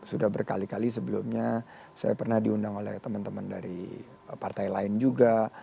sudah berkali kali sebelumnya saya pernah diundang oleh teman teman dari partai lain juga